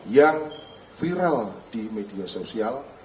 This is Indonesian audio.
yang viral di media sosial